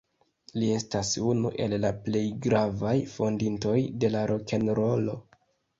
Li estas unu el la plej gravaj fondintoj de la rokenrolo.